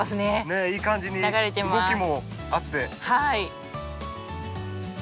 ねえいい感じに動きもあって。